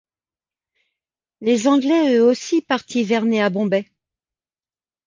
Les Anglais eux aussi partent hiverner à Bombay.